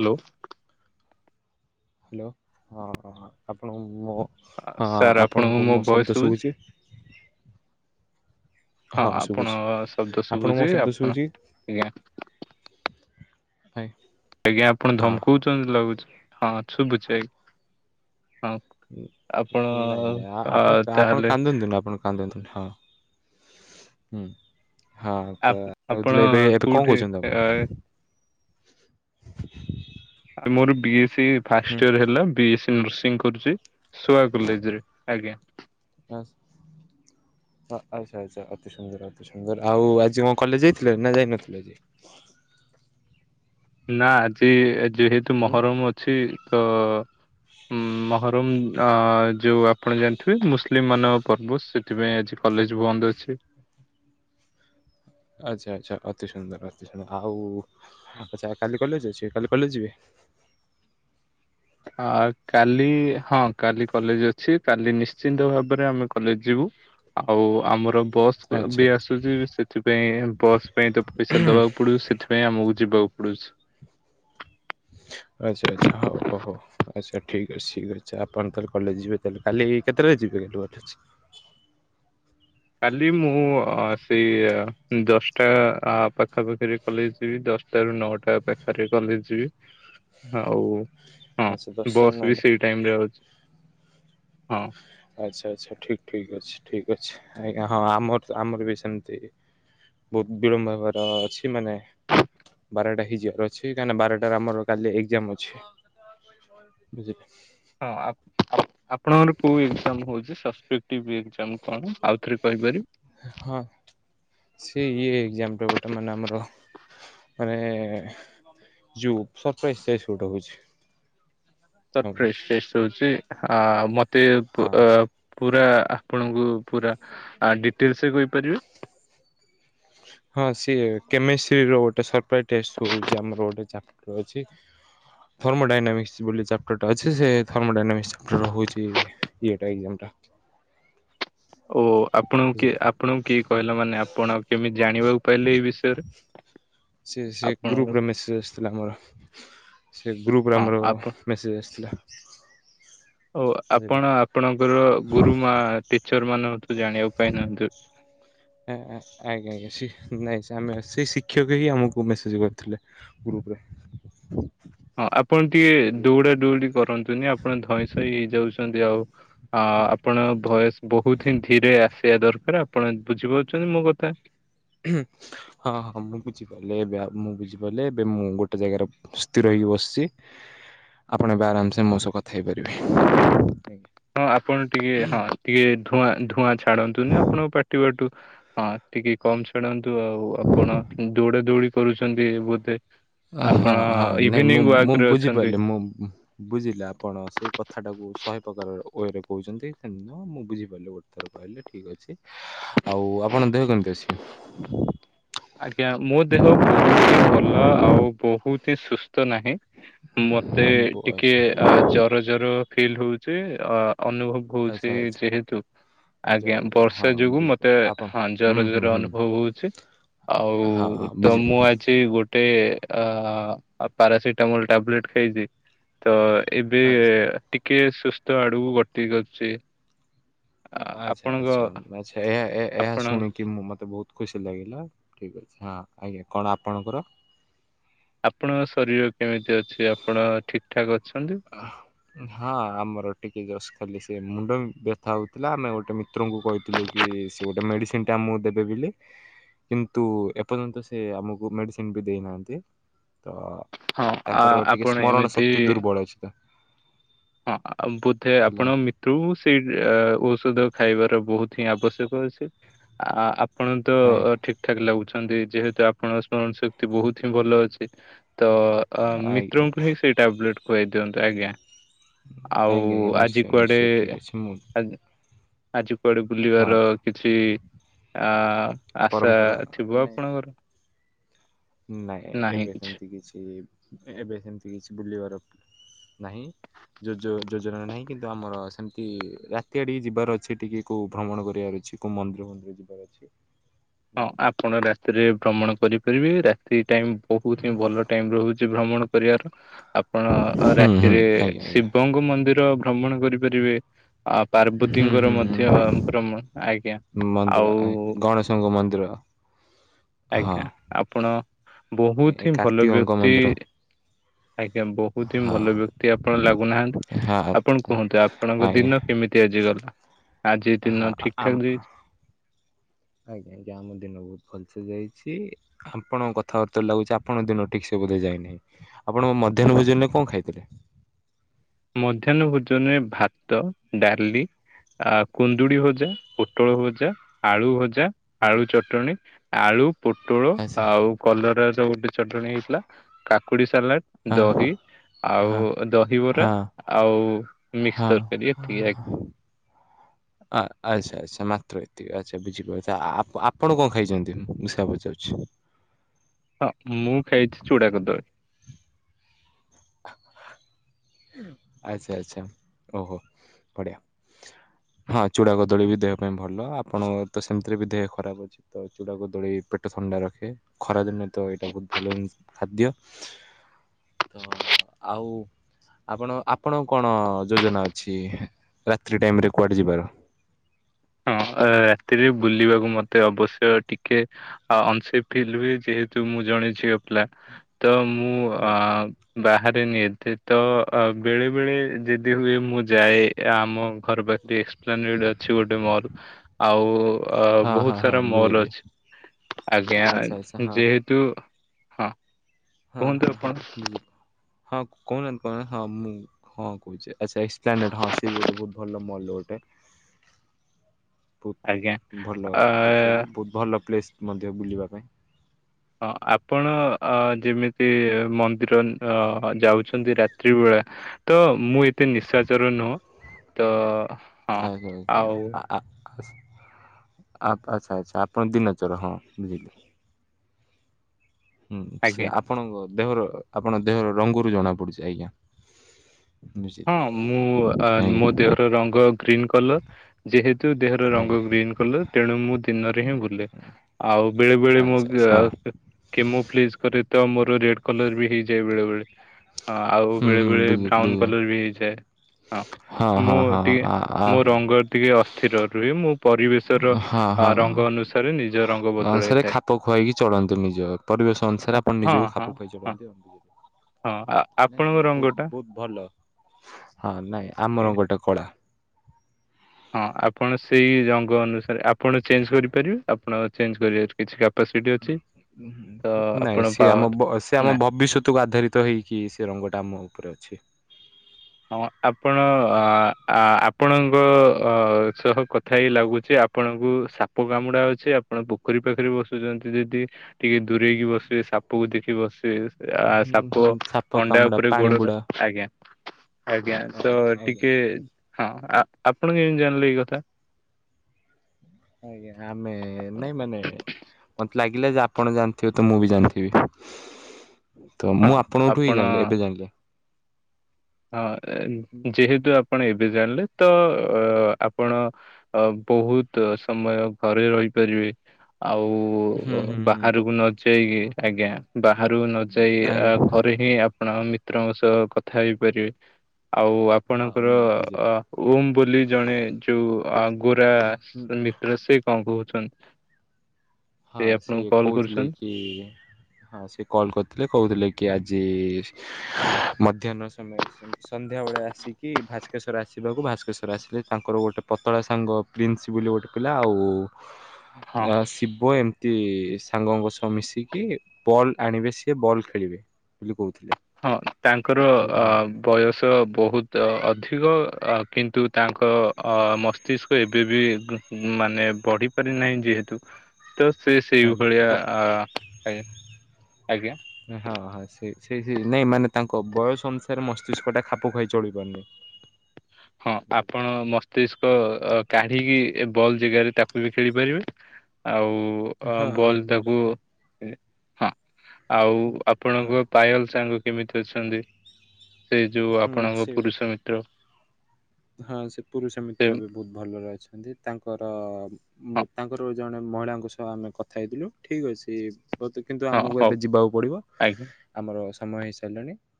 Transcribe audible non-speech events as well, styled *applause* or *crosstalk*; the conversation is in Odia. ହ୍ୟାଲୋ। ହ୍ୟାଲୋ ଆପଣ ମୁଁ ହଁ ସାର୍ ଆପଣଙ୍କୁ ମୋ ଭଏସ ଶବ୍ଦ ଶୁଭୁଛି? ଶୁଖୁଛି? ହଁ ଆପଣ ଶୁଭୁଛି। ଶବ୍ଦ ଆପଣକୁ ଶୁଭୁଛି ମୋ ଶବ୍ଦ ଆପଣ ଶୁଭୁଛି? ଆଜ୍ଞା ନାଇ। ଆଜ୍ଞା ଆପଣ ଧମକଉଛନ୍ତି ଲାଗୁଛି। ହଁ ଶୁଭୁଛି ଆଞା ହଁ। ଆପଣ ନାଇଁ ନାଇଁ ଅ ଆପଣ ଆପଣ ତାହେଲେ କାନ୍ଦନ୍ତୁନି ଆପଣ। କାନ୍ଦନ୍ତୁନି ହଁ ହୁଁ। ହଁ ତ ଆପ- ଆପଣ କହୁଥିଲେ ଏବେ ଏବେ କଣ କୋଉଠି କହୁଛନ୍ତି ଅ, ଆପଣ? ମୋର ବି ଏସ୍ ସି ହୁଁ ଫାଷ୍ଟ ଇୟର ହେଲା ବି ଏ ସି ନର୍ସିଂ କରୁଛି ସୁଆ କଲେଜ ରେ ଆଜ୍ଞା। ବାସ୍। ହଁ ଆଚ୍ଛା ଆଚ୍ଛା ଅତି ସୁନ୍ଦର ଅତି ସୁନ୍ଦର। ଆଉ ଆଜି କଣ କଲେଜ ଯାଇଥିଲେ ନା ଯାଇନଥିଲେ ଆଜି? ନା ଆଜି ଯେହେତୁ ହୁଁ ମହରମ୍ ଅଛି ତ-ଅ-ଅ ଉଁ ମହରମ୍ ଅ-ଅ ଯୋଉ ଆପଣ ଜାଣିଥିବେ ମୁସଲିମ୍ ମାନଙ୍କ ପର୍ବ ସେ ଥିପାଇଁ ଆଜି କଲେଜ ବନ୍ଦ ଅଛି। ଆଚ୍ଛା ଆଚ୍ଛା ଅତି ସୁନ୍ଦର ଅତି ସୁନ୍ଦର। ଆଉ ଆଛା କାଲି କଲେଜ ଅଛି କାଲି କଲେଜ ଯିବେ? ଆ କାଲି ହଁ କାଲି କଲେଜ ଅଛି କାଲି ନିଶ୍ଚିନ୍ତ ଭାବରେ ଆମେ କଲେଜ ଯିବୁ। ଆଉ ଆମର ବସ୍ ସ୍ ଆଚ୍ଛା ବି ଆସୁଛି ସେଥିପାଇଁ ବସ୍ ପାଇଁ ତ ପଇସା ଦବାକୁ ପଡିବ ସେଥିପାଇଁ ପାଇଁ ଆମକୁ ଯିବାକୁ ପଡୁଛି। ଆଚ୍ଛା ଆଛା ହଉ ଓ ହୋ। ଆଚ୍ଛା ଠିକ୍ ଅଛି ଠିକ ଅଛି ଆପଣ ତାହେଲେ କଲେଜ ଯିବେ ତାହେଲେ କାଲି କେତେଟା ଯିବେ *unintelligible* କାଲି ମୁଁ ଅ ସେଇ ଦଶଟା ଆ ପାଖା ପାଖିରେ କଲେଜ ଯିବି ଦଶଟା ସେଇ ରୁ ନଅଟା ପାଖରେ କଲେ ଯିବି। ଆଉ-ଉ-ଉ-ଉ ଆଚ୍ଛା ହଁ ଦଶଟା ବସ୍ ବି ନଅଟା ସେଇ ଟାଇମ୍ ରେ ଅଛି ହଁ। ଆଚ୍ଛା ଆଚ୍ଛା ଠିକ୍ ଠିକ୍ ଅଛି ଠିକ୍ ଅଛି। ଆଜ୍ଞା ହଁ ଆମର ତ ଆମର ବି ସେମିତି। ବହୁତ ବିଳମ୍ବ ହେବାର ଅଛି ମାନେ ବାରଟା ହେଇଯିବାର ଅଛି। କାହିଁକି ନା ବାରଟାରେ ଆମର କାଲି ଏକ୍ଜାମ ଅଛି। ବୁଝିଲ? ହଁ ହଁ। ଆପଣଙ୍କର କୋଉ ଏକ୍ଜାମ ହଉଛି। ସବସେଟିବ ଏକ୍ଜାମ। କଣ ଆଉ ଥରେ କହିପାରିବି? ହଁ ସେ ଇଏ ଏକ୍ଜାମ ଗୋଟେ ମାନେ ଆମର ମାନେ-ଏ-ଏ-ଏ ଜୁ ସରପ୍ରାର୍ଇଜ୍ ଷ୍ଟେଟ୍ ପ୍ରାଗୋଟେ ହଉଛି। ଆମର ସରପ୍ରାର୍ଇଜ୍ ଷ୍ଟେଟ ହଉଛି ଆ-ଆ-ଆ-ଆ ମୋତେ ଏ ପ ହଁ ପୁରା ଆପଣଙ୍କୁ ପୁରା ଡିଟେଲସରେ କହିପାରିବେ ହ ହଁ ସିଏ କେମିଷ୍ଟ୍ରିର ଗୋଟେ ସରପ୍ରାଇଜ ଟେଷ୍ଟ ହଉଛି ଆମର ଗୋଟେ ଚାପଟର ଅଛି। ଥର୍ମୋଡାଇନାମିକ୍ସ ବୋଲି ଚାପ୍ଟରଟା ଅଛି ସେ ଥମୋ ଡାଇନାମିକ୍ସ ଚାପଟର ହେଉଛି-ଇ-ଇ ଇଆଟା ଇଗ୍ନୋ ଟା। ଓହୋ ଆପଣଙ୍କୁ କିଏ ବୁଝିଲେ ଆପଣଙ୍କୁ କିଏ କହିଲା ମାନେ ଆପଣ କେମିତି ଜାଣିବାକୁ ପାଇଲେ ଏଇ ବିଷୟରେ? *inaudible* ସିଏ ସିଏ ଗୁରୁ ଆପଣଙ୍କ ବ୍ର ଥିଲା ଆମର। ସେ ଗ୍ରୁପ୍ ରେ ହଁ ଆମର ଆପଣ ମେସେଜ୍ ଆସିଥିଲା, ଓ ଆପଣ ବୁଝିଲେ। ଆପଣଙ୍କର ଗୁରୁମା ଟିଚର ମାନଙ୍କଠୁ ଜାଣିବା ପାଇଁ ନିହାନ୍ତି ଆଜ୍ଞା ଆ୍ ଆଜ୍ଞା ଆଜ୍ଞା ସି ନାଇଁ ଆମେ ସେ ଶିକ୍ଷକ ହିଁ ଆମକୁ ମେସେଜ କରୁଥିଲେ ଗ୍ରୁପରେ। ହଁ ଆପଣ ଟିକେ ଦୌଡା ଦୌଡି କରନ୍ତୁନି ଆପଣ ଧଇଁ ସଇଁ ହେଇଯାଉଛନ୍ତି ଆଉ ଆ ଆପଣ ଭୟସ୍ ବହୁତ ହିଁ ଧୀରେ ଆସିବା ଦରକାର। ଆପଣ ବୁଝିପାରୁଛନ୍ତି ମୋ କଥା। ହୁଁ। ହଁ ହଁ ମୁଁ ବୁଝିପାରିଲି ଏବେ ମୁଁ ବୁଝିପାରିଲି ଏବେ ମୁଁ ଗୋଟେ ଜାଗାରେ ସ୍ଥିର ହେଇକି ବସିଚି। *inaudible* ଆପଣ ଏବେ ଆରାମ ସେ ହଁ ମୋ ସହ କଥା ହେଇପାରିବେ। ଆଜ୍ଞା। ହଁ ଆପଣ ଟିକେ ହଁ ଟିକେ ଧୂଆଁ ଧୂଆଁ ଛାଡନ୍ତୁନି ଆପଣଙ୍କ ପାଟି ବାଟୁ ହଁ ଟିକେ କମ ଛାଡ଼ନ୍ତୁ ଆଉ ଆପଣ ଦୌଡ ଦୌଡି କରୁଛନ୍ତି ବୋଧେ। ହଁ ଆପଣ ହଁ ନାଇଁ ମୁଁ ଇଭିନିଂ ମୁଁ ୱାକ୍ ରେ ଅଛନ୍ତି। ବୁଝିପାରିଲି ମୁଁ। ବୁଝିଲି ଆପଣ ସେ କଥାଟାକୁ ଶହେ ପ୍ରକାର ୱରେ କହୁଛନ୍ତି ସେମିତି ନୁହଁ ମୁଁ ବୁଝିପାରିଲି ଗୋଟେ ଥର କେ। କହିଲେ ଠିକ୍ ଅଛି। ଆଉ ଆପଣ ଦେହ କେମିତି ଅଛି? ଆଜ୍ଞା ମୋ ଦେହ ବହୁତ ହି ଭଲ ଆଉ ବହୁତ ହି ସୁସ୍ଥ ନାହିଁ। ମତେ ବ ଟିକେ ଆଚ୍ଛା ଅ ଜର ଜର ଫିଲ୍ ହଉଚ ଅ ଅନୁଭବ ଆଚ୍ଛା କହୁଛି ଆଚ୍ଛା ଯେହେତୁ ଜର ଆଜ୍ଞା। ଜର ହଁ ବର୍ଷା ଯୋଗୁ ମତେ ବୁଝିପାରିଲି ଆପଣ ହଁ ହୁଁ ଜର ହୁଁ ଜର ହୁଁ ଅନୁଭବ ହଉଛି। ହଁ ହଁ ଆଉ ତ ମୁଁ ବୁଝିପାରିଲି ଆ ଜି ଗୋଟେ ଅ ପାରାସିଟାମଲ ଟାବଲେଟ ଖାଇ ଦେଇଚି। ତ ଏବେ ଆଚ୍ଛା। ଟିକେ ସୁସ୍ଥ ଆଡକୁ ଗତି କରୁଚି। ଆଚ୍ଛା ଆଚ୍ଛା ଆଛା। ଏହା ଏହା ଆପଣ ଶୁଣିକି ମୁ ମତେ ବହୁତ ଖୁସି ଲାଗିଲା। ଠିକ୍ ଅଛି ହଁ ଆଜ୍ଞା। କଣ ଆପଣଙ୍କର? ଆପଣଙ୍କ ଶରୀର କେମିତି ଅଛି? ଆପଣ ଠିକ୍ ଠାକ୍ ଅଛନ୍ତି। ହଁ ଆମର ଟିକେ ଜଷ୍ଟ ଖାଲି ସେ ମୁଣ୍ଡ ବି ବ୍ୟଥା ହଉଥିଲା ଆମେ ଗୋଟେ ଡ଼ାକ୍ତରଙ୍କୁ କହିଥିଲୁ କି ସେ ଗୋଟେ ମେଡ଼ିସିନ୍ ଟେ ଆମକୁ ଦେବେ ବୋଲି। କିନ୍ତୁ ଏପର୍ଯ୍ୟନ୍ତ ସେ ଆମକୁ ମେଡସିନ ବି ଦେଇନାହାନ୍ତି। ତ ହଁ ଆ ତାଙ୍କର ଟିକେ ଆପଣ ସ୍ମରଣ ଏମିତି ଶକ୍ତି ଦୁର୍ବଳ ଅଛି ତ। ହଁ ଆମ ବୋଧେ ଥିଲା। ଆପଣ ମି ତୁ ସେଇ ଔଷଧ ଖାଇବାର ବହୁତ ହିଁ ଆବଶ୍ୟକ ଅଛି। ଆ ଆପ ଆପଣ ତ ଆଜ୍ଞା ଠିକ୍ ଠିକ୍ ଲାଗୁଛନ୍ତି ଯେହେତୁ ଆପଣଙ୍କ ସ୍ମରଣ ଶକ୍ତି ବହୁତ ହିଁ ଭଲ ଅଛି। ତ ଆ ମିତ୍ରଙ୍କୁ ହିଁ ସେଇ ଟାବଲେଟ୍ ଖୁଆଇଦିଅନ୍ତୁ ଆଜ୍ଞା। ଆଉ ଆଜ୍ଞା ଆଜ୍ଞା ଆଜି ନିଶ୍ଚୟ କୁଆଡେ ନିଶ୍ଚୟ ଠିକ୍ ଅଛି ମୁଁ ଆଜି ଆଜି କୁଆଡେ ହଁ ବୁଲିବାର କିଛି ଆ ଆଶା ପରମ୍ପରା ଥିବ ନାଇଁ ଆପଣଙ୍କର? ନାଇଁ ଏବେ ସେମତି କିଛି ଏବେ ସେମତି କିଛି ବୁଲିବାର ନାହିଁ। ଯୋଜ ଯୋଜନା ନାହିଁ। କିନ୍ତୁ ଆମର ସେମତି ରାତି ଆଡ଼ିକି ଯିବାର ଅଛି ଟିକେ କୋଉଁ ଭ୍ରମଣ କରିବାର ଅଛି। କୋଉ ମନ୍ଦିର ଫନ୍ଦିର ଯିବାର ଅଛି। ହଁ ଆପଣ ରାତିରେ ଭ୍ରମଣ କରିପାରିବେ। ରା ସେଇ ଟାଇମ ବହୁତ ହିଁ ଭଲ ଟାଇମ ରହୁଛି ଭ୍ରମଣ କରିବାର। ଆପଣ ଅ ହୁଁ ହୁଁ ରାତିରେ ଆଜ୍ଞା ଆଜ୍ଞା ଶିବଙ୍କ ମନ୍ଦିର ଭ୍ରମଣ କରିପାରିବେ। ଆ ହୁଁ ପାର୍ବତୀଙ୍କର ହୁଁ ହୁଁ। ମଧ୍ୟ ଭ୍ରମ ଆଜ୍ଞା। ଆଉ ଶିବ ଙ୍କ ମନ୍ଦିର ହଁ। ଆଜ୍ଞା। ଆପଣ ଏ ବହୁତ ହିଁ ଭଲ କାର୍ତ୍ତିକଙ୍କ ବ୍ୟକ୍ତି। ମନ୍ଦିର ଆଜ୍ଞା। ବହୁତ ହିଁ ହଁ ଭଲ ବ୍ୟକ୍ତି ଆପଣ ଲାଗୁନାହାନ୍ତି। ହଁ। ଆପଣ କୁହନ୍ତୁ ଆପଣଙ୍କ ଆଜ୍ଞା ଦିନ କେମିତି ତି ଆଜି ଗଲା? ଆଜି ହଁ ଦିନ ଠିକ୍ ଆମ ଠାକ୍ ଯାଇଚି? ଆଜ୍ଞା *unintelligible* ଦିନ ବହୁତ ଭଲସେ ଯାଇଛି। ଆପଣଙ୍କ କଥାବାର୍ତ୍ତାରୁ ଲାଗୁଚି ଆପଣଙ୍କ ଦିନ ଠିକ୍ ସେ ବୋଧେ ଯାଇନି। ଆପଣଙ୍କ ମଧ୍ୟାହ୍ନ ଭୋଜନରେ କଣ ଖାଇଥିଲେ? ମଧ୍ୟାହ୍ନ ଭୋଜନରେ ଭାତ, ଡାଲି ଆ କୁନ୍ଦୁଡି ଭଜା, ପୋଟଳ ଭୋଜା, ଆଳୁ ଭଜା ଆଳୁ ଚଟଣୀ, ଆଳୁ, ପୋଟଳ, ଆଚ୍ଛା ଆଉ କଲରା ଯୋଉ ଗୋଟେ ଚଟଣୀ ହେଇଥିଲା କାକୁଡି ସାଲାଟ ହଁ ଦହି ଆଉ ହଁ ଦହିବରା। ହଁ। ଆଉ ମିକ୍ସ ହଁ। ତରକାର ଏତିକି ଆଜ୍ଞା। ଆ ଆଚ୍ଛା ଆଚ୍ଛା ମାତ୍ର ଏତିକି ଆଚ୍ଛା ବୁଝିପାଇଲି। ଆପ ଆପଣ କଣ ଖାଇଛନ୍ତି ମୁଁ ସେୟା ପଚାରୁଚି? ହଁ ମୁଁ ଖାଇଚି ଚୁଡା କଦଳି। ଆଚ୍ଛା ଆଚ୍ଛା ଓହୋ ବଢ଼ିଆ। ହଁ ଚୂଡ଼ା, କଦଳୀ ବି ଦେହ ପାଇଁ ଭଲ ଆପଣଙ୍କର ତ ସେମତିରେ ବି ଦେହ ଖରାପ ଅଛି। ତ ଚୁଡ଼ା, କଦଳୀ ପେଟ ଥଣ୍ଡା ରଖେ, ଖରା ଦିନେ ତ ଏଇଟା ବୋହୁତ ଭଲ ଜିନଷ ଖାଦ୍ୟ। ତ ଆଉ ଆପଣ ଆପଣଙ୍କୁ କଣ ଯୋଜନା ଅଛି ରାତ୍ରି ଟାଇମ ରେ କୁଆଡେ ଯିବାର? ହଁ ଏ ରାତିରେ ବୁଲିବାକୁ ମତେ ଅବଶ୍ୟ ଟିକେ ଅ ଅନସେପ୍ଟି ଫିଲ ହୁଏ ଯେହେତୁ ମୁଁ ଜଣେ ଝିଅ ପିଲା ତ ମୁଁ ଅ ବାହାରେ ନି ଏତେ। ତ ବେଳେ ବେଳେ ଯେଦି ହୁଏ ମୁଁ ଯାଏ ଆମ ଘର ପାଖ ଏସକ୍ସପ୍ଲାନେଟ ଅଛି ଗୋଟେ ମଲ। ଆଉ ଆ ହଁ ହଁ ବହୁତ ହଁ ସାରା ମଲ ବୁଝିଲି ଅଛି ଆଜ୍ଞା ଆଚ୍ଛା ଆଚ୍ଛା ହଁ ଯେହେ ତୁ ହଁ ହଁ ହଁ ବୁଝିଲ ହଁ କହୁନାଆନ୍ତି କହୁନାଆନ୍ତି ହଁ ମୁଁ ହଁ କୋଉଚି ଆଛା ଏକ୍ସପ୍ଲାନେଟ ହଁ ସିଏ ବି ଗୋଟେ ବୋହୁତ ଭଲ ମଲ ଗୋଟେ। ବହୁତ ଆଜ୍ଞା ଭଲ ଆ ଦେଖିବାକୁ ବହୁତ ଭଲ ପ୍ଲେସ୍ ମଧ୍ୟ ବୁଲିବା ପାଇଁ। ହଁ ଆପଣ ଅ ଯେମିତି ମନ୍ଦିର ଅ ଯାଉଛନ୍ତି ରାତ୍ରି ବେଳା ତ ମୁଁ ଏତେ ନିଶାଚର ନୁହଁ ତ ହଁ *unintelligible* ଆ ଆଉ ଆ ଆଚ୍ଛା ଆଚ୍ଛା ଆପଣ ଦିନଚର ହଁ ବୁଝିଲି। ହୁଁ ଆଜ୍ଞା ସେ ଆପଣଙ୍କ ଦେହର ଆପଣଙ୍କ ଦେହର ରଙ୍ଗରୁ ଜଣା ପଡୁଚି ଆଜ୍ଞା। ବୁଝିଲି ହଁ ମୁଁ ଆଜ୍ଞା ମୋ ଦେହର ରଙ୍ଗ ଗ୍ରୀନ କଲର। ଯେହେତୁ ଦେହର ରଙ୍ଗ ଆଜ୍ଞା ଗ୍ରୀନ କଲର ତେଣୁ ମୁଁ ଦିନରେ ହିଁ ବୁଲେ। ଆଉ ବେଳେ ବେଳେ ଆଚ୍ଛା ମୁଗ ଆଚ୍ଛା କି ମୁଁ ଫ୍ଲିଜ କରେ ତ ମୋର ରେଡ କଲର ବି ହେଇଯାଏ ବେଳେ ବେଳେ। ହଁ ଆଉ ହୁଁ ବେଳେ ହୁଁ ବେଳେ ବୁଝିଲି ବ୍ରାଉନ ବୁଝିଲି କଲର ବି ହେଇଯାଏ ହଁ। ମୁଁ ହଁ ହଁ ଟିକେ ଆ ଆ ମୋ ରଙ୍ଗ ଟିକେ ଅସ୍ଥିର ରୁହେ ମୁଁ ପରିବେଶର ଆ ରଙ୍ଗ ଅନୁସାରେ ନିଜ ରଙ୍ଗ ଅ ସାର୍ ବଦଳାଇଥାଏ ଖାପ ଖୁଆଇକି ଚଳନ୍ତି ନିଜ ପରିବେଶ ଅନୁସାରେ ଆପଣ ହଁ ନିଜକୁ ହଁ ଖାପ ଖୁଆଇ ହଁ। ଚଳନ୍ତି ଆଉ। ହଁ ଆ ନାଇଁ ନାଇଁ ଆପଣଙ୍କ ବହୁତ ରଙ୍ଗ ଟା? ବହୁତ ଭଲ ହଁ ନାଇଁ ଆମର ଗୋଟେ କଳା। ହଁ ଆପଣ ସେଇ ଅଙ୍ଗ ଅନୁସାରେ ଆପଣ ଚେଞ୍ଜ କରିପାରିବେ ଆପଣ ଚେଞ୍ଜ କରିବେ କିଛିଟା ନାଇଁ ଆପଣ ସିଏ ପାୱାର ଆମ ବ ସେ ଆମ ନା ଭବିଷ୍ୟତକୁ ଆଧାରିତ ହେଇକି ସେ ରଙ୍ଗଟା ଆମ ଉପରେ ଅଛି। ହଁ ଆପଣ ଆ ଆପଣଙ୍କ ଅ ସହ କଥା ହେଇ ଲାଗୁଚି ଆ ଆପଣଙ୍କୁ ସାପ କାମୁଡା ଅଛି ଆପଣ ପୋଖରୀ ପାଖରେ ବସୁଚନ୍ତି ଯଦି ଟିକେ ଦୂରେଇକି ବସିବେ ସାପକୁ ଦେଖି ବସିବେ। ଆ ହୁଁ ସାପ ହୁଁ ସାପ ଅଣ୍ଡା କାମୁଡା ଉପରେ ପାଣି ଗୋଡ ବୁଡା। ଆଜ୍ଞା। ଆଜ୍ଞା ତ ଆଜ୍ଞା ଆଜ୍ଞା ଟିକେ ହଁ ଆପଣ କେମିତି ଜାଣିଲେ ଏଇ କଥା? ଆଜ୍ଞା ଆମେ ନାଇଁ ମାନେ ମତେ ଲାଗିଲା ଯେ ଆପଣ ଜାଣିଥିବେ ତ ମୁଁ ବି ଜାଣିଥିବି। ତ ମୁଁ ହଁ ଆପଣଙ୍କ ଠୁ ହିଁ ଜାଣିଲି ଆପଣ ଏବେ ଜାଣିଲି। ହଁ ଯେହେତୁ ଆପଣ ଏବେ ଜାଣିଲେ ତ ଅ ଆପଣ ଅ ବହୁତ ସମୟ ଘରେ ରହିପାରିବେ ଆଉ ହୁଁ ଉ ହୁଁ ହୁଁ ବାହାରକୁ ନ ଯାଇକି ଆଜ୍ଞା ବାହାରକୁ ନ ଯାଇ ଆଜ୍ଞା ଘରେ ହିଁ ଆପଣ ମିତ୍ରଙ୍କ ସହ କଥା ହେଇପାରିବେ ଆଉ ଆ ହଁ ଆପଣଙ୍କର ଅ ବୁଝିଲି। ଓମ ବୋଲି ଜଣେ ଯୋଉ ଅ ଗୋରା ମିତ୍ର ସେ କଣ କହୁଚନ୍ତି? ହଁ ସିଏ କହୁଥିଲେ କି ହଁ ସେ କଲ୍ କରିଥିଲେ କହୁଥିଲେ କି ଆଜି ମଧ୍ୟାହ୍ନ ସମୟରେ ସନ୍ଧ୍ୟାବେଳେ ଆସିକି ଭାସ୍କେଶ୍ୱର ଆସିବାକୁ ଭାସ୍କେଶ୍ୱର ଆସିଲେ ତାଙ୍କର ଗୋଟେ ପତଳା ସାଙ୍ଗ ପ୍ରିନ୍ସ ବୋଲି ଗୋଟେ ପିଲା ଆଉ ହଁ। ଆ ସିବ୍ ପୁଅ ଏମତି ସାଙ୍ଗଙ୍କ ସହ ମିଶିକି ବଲ୍ ଆଣିବେ ସିଏ ବଲ୍ ଖେଳିବେ ବୋଲି କହୁ ହଁ ତାଙ୍କର ଅ ବୟସ ବୋହୁତ ଅଧିକ ଆଉ କିନ୍ତୁ ତାଙ୍କ ଅ ମସ୍ ମସ୍ତିକ ଏବେ ବି ଗୁଁ ମାନେ ବଢିପାରି ନାହିଁ ଯେହେତୁ ତ ସେ ସେଇ ଭଳିଆ ଆ-ଆଏ, ଆଜ୍ଞା? ହଁ ହଁ ସେ ସେଇ ସେ ନାଇଁ ମାନେ ତାଙ୍କ ବୟସ ଅନୁସାରେ ମସ୍ତିଷ୍କଟା ଖାପୁ ଖୁଆଇ ଚଳି ପାରୁନି। ହଁ ଆପଣ ମସ୍ତିଷ୍କ ଅ କାଢିକି ବଲ୍ ଏ ଜାଗାରେ ତାକୁ ବି ଖେଳିପାରିବେ। ଆଉ ଅ ହଁ ହଁ ବଲ୍ ତାକୁ ବୁଝିଲି ଉଁ ହଁ ଆଉ ହଁ ଆପଣଙ୍କ ପାୟଲ ସାଙ୍ଗ କେମିତି ଅଛନ୍ତି ସେ ଯୋଉ ହୁଁ ଆପଣଙ୍କ ସେ ପୁରୁଷ ମିତ୍ର। ହଁ ସେ ପୁରୁଷ ସେ ମିତ୍ର ଏବେ ବୋହୁତ ଭଲରେ ଅଛନ୍ତି ତାଙ୍କର ହଁ ବୋ ତାଙ୍କର ଜଣେ ମହିଳାଙ୍କ ସହ ଆମେ କଥା ହେଇଥିଲୁ ଠିକଅଛି ବୋଉତି କିନ୍ତୁ ହଁ ଆମକୁ ହଉ ଏବେ ଯିବାକୁ ପଡ଼ିବ ଆଜ୍ଞା। ଆମର ସମୟ ହେଇସାରିଲାଣି।